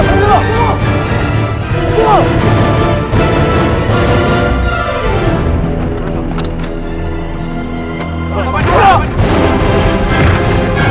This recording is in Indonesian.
kalian akan jauh jauh